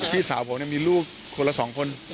พี่สาวผมมีลูกคนละ๒คน